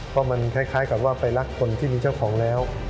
เพราะมันคล้ายกับว่าไปรักคนที่มีเจ้าของแล้ว